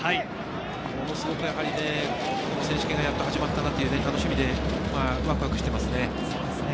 ものすごく選手権がやっと始まったなと楽しみでわくわくしています。